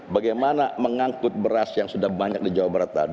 bagaimana mengangkut beras yang sudah banyak di jawa barat tadi